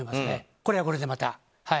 これはこれで、また。